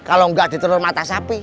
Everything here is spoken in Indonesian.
kalau enggak diteror mata sapi